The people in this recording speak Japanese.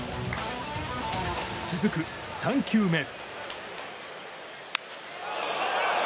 続く３球目。